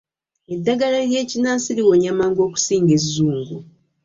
Eddagala ly'ekinnansi liwonya mangu okusinga ezzungu.